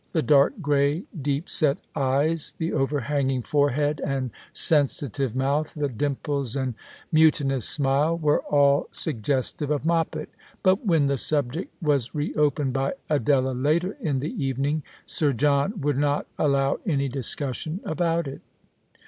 The dark grey, deepset eyes, the overhanging forehead, and sensitive mouth, the dimples and mutinous smile were all sug gestive of Moppet; but when the subject was reopened by Adela later in the evening, Sir John would not allow any discussion about it.